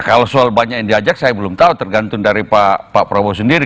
kalau soal banyak yang diajak saya belum tahu tergantung dari pak prabowo sendiri